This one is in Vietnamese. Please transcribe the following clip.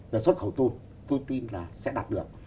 về xuất khẩu tôm tôi tin là sẽ đạt được